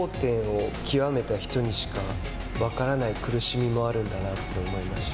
頂点を極めた人にしか分からない苦しみもあるんだなって思いました。